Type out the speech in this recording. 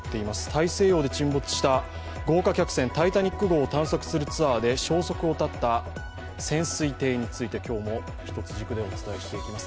大西洋で沈没した豪華客船「タイタニック」号を探索するツアーで消息を絶った潜水艇について、今日も一つ軸でお伝えしていきます。